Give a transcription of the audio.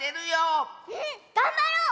うんがんばろう！